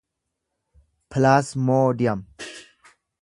pilaasmoodiyem